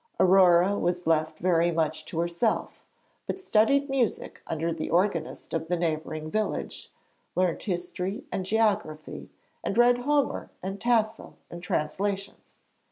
Aurore was left very much to herself, but studied music under the organist of the neighbouring village, learnt history and geography, and read Homer and Tasso in translations.